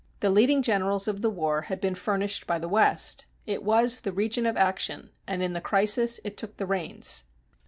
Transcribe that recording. The leading generals of the war had been furnished by the West. It was the region of action, and in the crisis it took the reins.